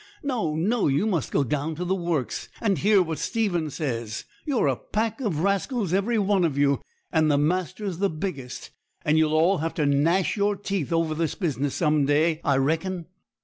No, no; you must go down to the works, and hear what Stephen says. You're a pack of rascals, every one of you, and the master's the biggest; and you'll all have to gnash your teeth over this business some day, I reckon.'